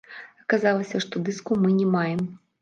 Аказалася, што дыскаў мы не маем.